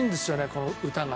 この歌が。